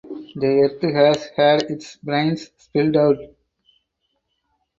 The earth has had its brains spilled out.